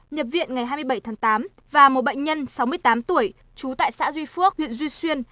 nhập viện ngày hai mươi bảy tháng tám và một bệnh nhân sáu mươi tám tuổi trú tại xã duy phước huyện duy xuyên